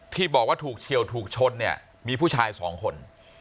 ที่บอกว่าถูกเฉียวถูกชนเนี่ยมีผู้ชายสองคน